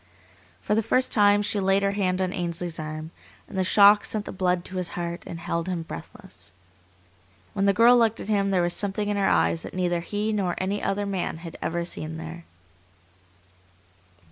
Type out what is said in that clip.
For the first time she laid her hand on Ainsley's arm, and the shock sent the blood to his heart and held him breathless. When the girl looked at him there was something in her eyes that neither he nor any other man had ever seen there.